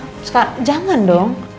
hah sekarang jangan dong